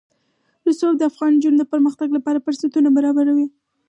رسوب د افغان نجونو د پرمختګ لپاره فرصتونه برابروي.